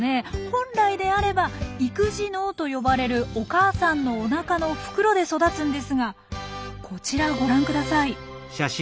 本来であれば「育児嚢」と呼ばれるお母さんのおなかの袋で育つんですがこちらをご覧ください。